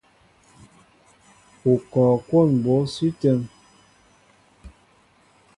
U kɔɔ kwón mbǒ sʉ́ ítə́ŋ?